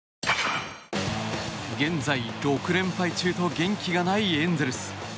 現在６連敗中と元気がないエンゼルス。